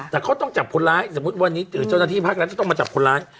แต่เขาต้องจับคนร้ายสมมุติวันนี้เจ้าหน้าที่ภาครัฐจะต้องมาจับคนร้าย